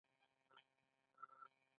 لږ ژوند وګړهٔ خو د دېر عمر کار پکښي وکړهٔ